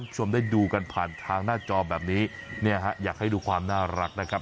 คุณผู้ชมได้ดูกันผ่านทางหน้าจอแบบนี้เนี่ยฮะอยากให้ดูความน่ารักนะครับ